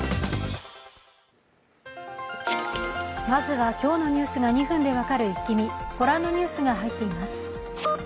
まずは今日のニュースが２分で分かる「イッキ見」ご覧のニュースが入っています。